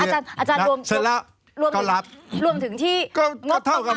อาจารย์รวมถึงที่เสร็จแล้วเขารับ